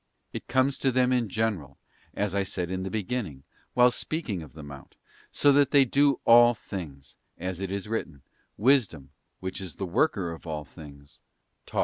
It comes to them in general, as I said in the beginning, while speaking of the Mount, so that they do all things; as it is written, ' Wisdom, which is the worker of all things, taught me.